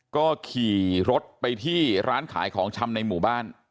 ก็ขี่รถไปที่ร้านขายของชำในหมู่บ้าน